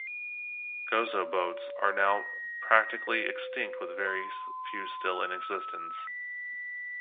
Gozo boats are now practically extinct with very few still in existence.